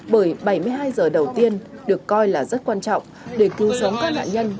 bởi bảy mươi hai giờ đầu tiên được coi là rất quan trọng để cứu sống các nạn nhân